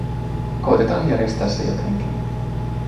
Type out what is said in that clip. Koitetaan järjestää se jotenkin.